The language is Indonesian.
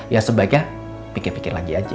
ya sebaiknya pikir pikir lagi aja